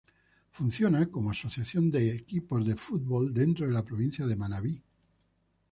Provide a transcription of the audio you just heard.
Funciona como asociación de equipos de fútbol dentro de la Provincia de Manabí.